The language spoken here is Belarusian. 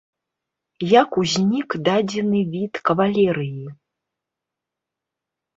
Як узнік дадзены від кавалерыі?